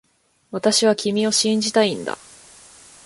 私は君を信じたいんだ